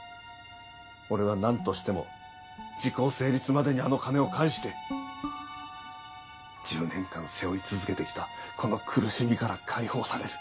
俺はなんとしても時効成立までにあの金を返して１０年間背負い続けてきたこの苦しみから解放される。